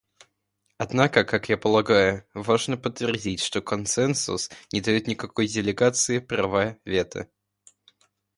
Однако, как я полагаю, важно подтвердить, что консенсус не дает никакой делегации права вето.